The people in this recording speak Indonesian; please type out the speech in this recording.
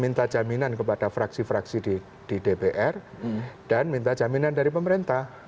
minta jaminan kepada fraksi fraksi di dpr dan minta jaminan dari pemerintah